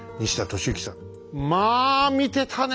まあ見てたね